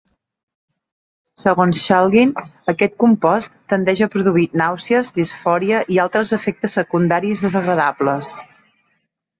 Segons Shulgin, aquest compost tendeix a produir nàusees, disfòria i altres efectes secundaris desagradables.